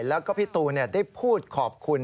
แล้วก็พี่ตูนได้พูดขอบคุณ